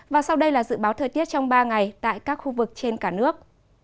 và sau đây là dự báo thời tiết trong ba ngày tại các khu vực trên cả nước